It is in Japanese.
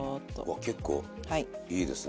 わ結構いいですね。